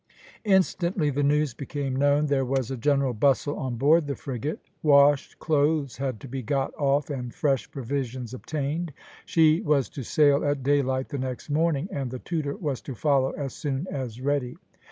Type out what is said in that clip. Instantly the news became known there was a general bustle on board the frigate. Washed clothes had to be got off and fresh provisions obtained. She was to sail at daylight the next morning, and the Tudor was to follow as soon as ready.